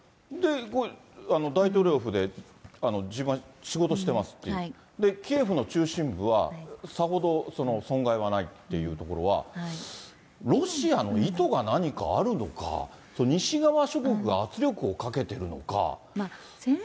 で、大統領府で自分は仕事してますっていう、キエフの中心部は、さほど損害はないというところは、ロシアの意図が何かあるのか、西側諸国が圧力をかけてるのか。